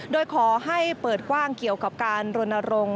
โดยขอให้เปิดกว้างเกี่ยวกับการรณรงค์